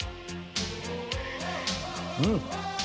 うん！